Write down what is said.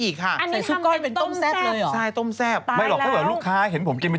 ก็ได้ตัวช่วยคือรสดีเป็นต้นของคนรุ่นภาพ